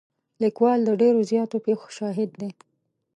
لیکوال د ډېرو زیاتو پېښو شاهد دی.